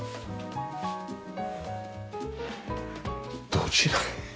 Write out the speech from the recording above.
どちらへ？